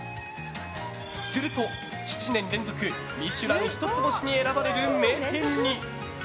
すると、７年連続「ミシュラン」一つ星に選ばれる名店に。